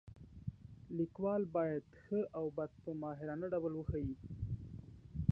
لیکوال باید ښه او بد په ماهرانه ډول وښایي.